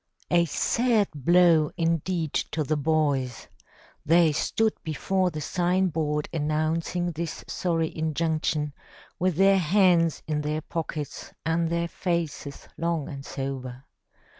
A sad blow indeed to the boys! They stood before the sign board announcing this sorry injunction, with their hands in their pockets and their faces long and sober.